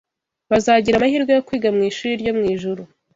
bazagira amahirwe yo kwiga mu ishuri ryo mu ijuru